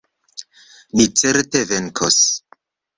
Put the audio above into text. Ni certe venkos!